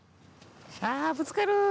あぶつかる！